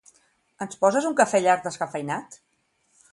Ens poses un cafè llarg descafeïnat?